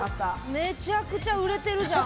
めちゃくちゃ売れてるじゃん。